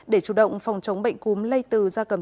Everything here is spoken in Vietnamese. để chủ động phòng chống bệnh cúm lây từ da cầm